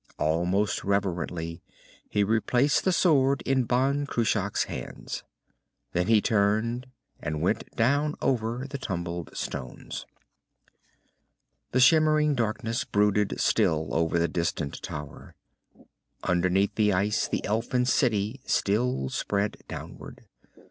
Almost reverently, he replaced the sword in Ban Cruach's hands. Then he turned and went down over the tumbled stones. The shimmering darkness brooded still over the distant tower. Underneath the ice, the elfin city still spread downward.